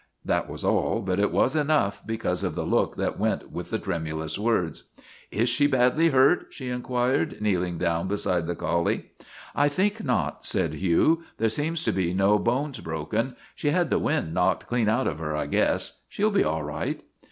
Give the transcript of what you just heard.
That was all, but it was enough because of the look that went with the trem ulous words. " Is she badly hurt? " she inquired, kneeling down beside the collie. I think not," said Hugh. " There seem to be (C LORNA OF THE BLACK EYE 267 no bones broken. She had the wind knocked clean out of her, I guess. She '11 be all right."